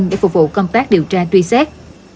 để phục vụ công tác điều tra truy xét